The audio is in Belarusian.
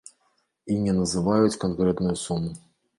І не называюць канкрэтную суму.